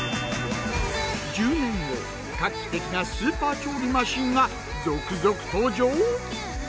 １０年後画期的なスーパー調理マシンが続々登場！？